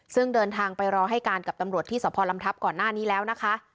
ซึ่งเดินทางไปรอให้การกับตำรวจที่สพลำทัพก่อนหน้านี้แล้วนะคะ